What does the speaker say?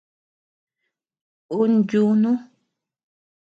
Ún yunu.